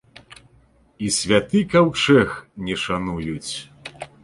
І святы каўчэг не шануюць!